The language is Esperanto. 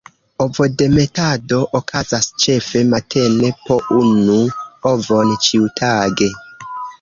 Ovodemetado okazas ĉefe matene, po unu ovon ĉiutage.